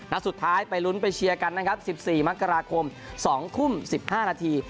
สุดท้ายไปลุ้นไปเชียร์กันนะครับ๑๔มกราคม๒ทุ่ม๑๕นาที